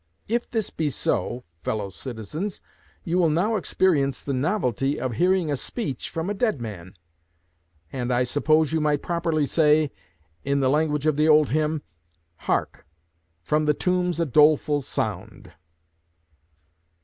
If this be so, fellow citizens, you will now experience the novelty of hearing a speech from a dead man; and I suppose you might properly say, in the language of the old hymn: "Hark! from the tombs a doleful sound!"'